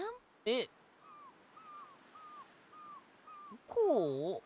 えっこう？